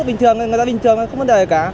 bình thường người ta bình thường không vấn đề gì cả